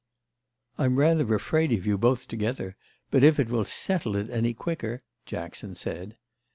"I'm rather afraid of you both together, but if it will settle it any quicker—!" Jackson said.